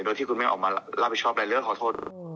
โดยที่คุณไม่ออกมารับผิดชอบอะไรเลยขอโทษ